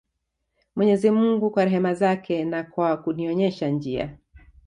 Mwenyezi mungu kwa rehma zake na kwa kunionyesha njia